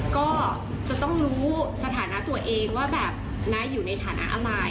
ก็จะต้องรู้สถานะตัวเองว่าแบบน้าอยู่ในฐานะอะไร